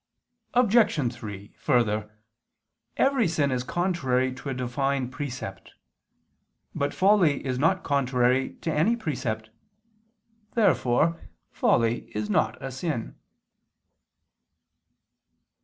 Obj. 3: Further, every sin is contrary to a Divine precept. But folly is not contrary to any precept. Therefore folly is not a sin.